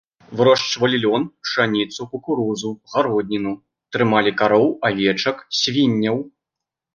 Вырошчвалі лён, пшаніцу, кукурузу, гародніну, трымалі кароў, авечак, свінняў.